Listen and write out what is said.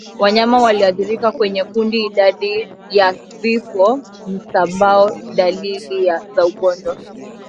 wanyama walioathirika kwenye kundi idadi ya vifo msambao dalili za ugonjwa